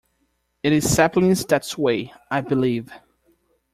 It is saplings that sway, I believe.